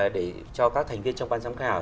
để cho các thành viên trong ban giám khảo